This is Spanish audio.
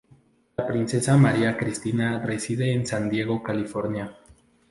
La princesa María Cristina reside en San Diego, California.